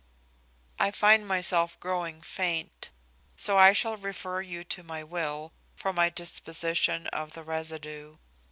"I find myself growing faint, so I shall refer you to my will for my disposition of the residue.